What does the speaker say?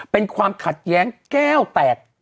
เป็นความขัดแย้งแก้วแตก